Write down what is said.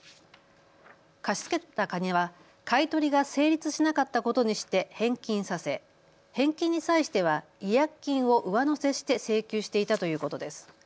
貸し付けた金は買い取りが成立しなかったことにして返金させ、返金に際しては違約金を上乗せして請求していたということです。